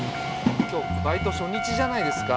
今日バイト初日じゃないですか。